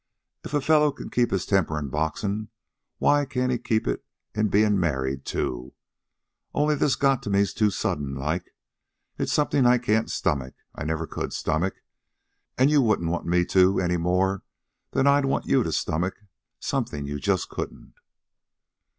If a fellow can keep his temper in boxin', why he can keep it in bein' married, too. Only this got me too sudden like. It's something I can't stomach, that I never could stomach. An' you wouldn't want me to any more'n I'd want you to stomach something you just couldn't."